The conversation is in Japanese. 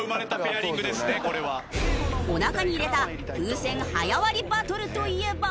お腹に入れた風船早割りバトルといえば。